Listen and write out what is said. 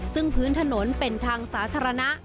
ซึ่งพื้นถนนเป็นทางสาธารณะ